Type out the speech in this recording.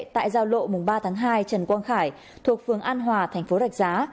tại giao lộ mùng ba tháng hai trần quang khải thuộc phường an hòa thành phố rạch giá